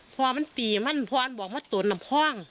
เขาคุยบอกว่า